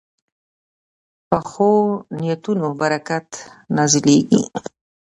پخو نیتونو برکت نازلېږي